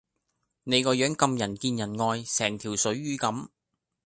你個樣咁人見人愛，成條水魚咁